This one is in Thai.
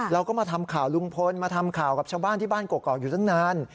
เราก็มาทำข่าวลุงพลมาทำข่าวกับชาวบ้านที่บ้านกรอกอยู่ตั้งนาน